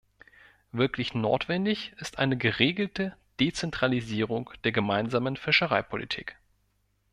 Wirklich notwendig ist eine geregelte Dezentralisierung der Gemeinsamen Fischereipolitik.